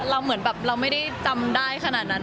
เหมือนแบบเราไม่ได้จำได้ขนาดนั้น